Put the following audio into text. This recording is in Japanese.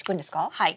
はい。